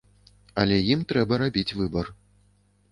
Але ім трэба рабіць выбар.